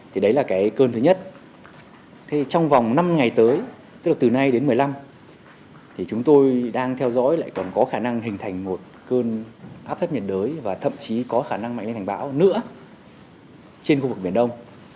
có khả năng hình thành một cơn áp thấp nhiệt đới và thậm chí có khả năng mạnh lên thành bão nữa trên khu vực biển đông